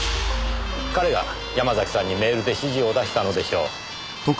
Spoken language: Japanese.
彼が山崎さんにメールで指示を出したのでしょう。